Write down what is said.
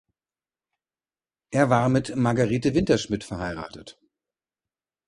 Er war mit Margarete Winterschmid verheiratet.